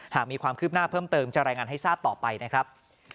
หากมีความคืบหน้าเพิ่มเติมจะรายงานให้ทราบต่อไปนะครับ